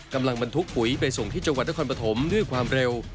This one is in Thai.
บรรทุกปุ๋ยไปส่งที่จังหวัดนครปฐมด้วยความเร็ว